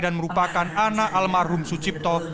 dan merupakan anak almarhum sucipto